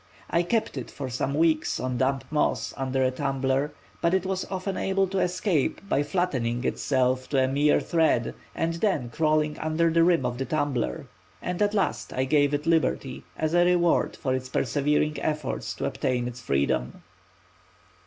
I kept it for some weeks on damp moss under a tumbler, but it was often able to escape by flattening itself to a mere thread and then crawling under the rim of the tumbler, and at last I gave it liberty as a reward for its persevering efforts to obtain its freedom.